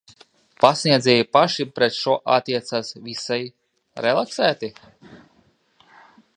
Pasniedzēji paši pret šo attiecās visai... relaksēti?